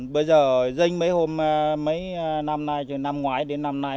bây giờ rinh mấy hôm mấy năm nay từ năm ngoái đến năm nay